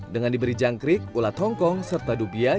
dengan diberi jangkrik ulat hongkong serta dubia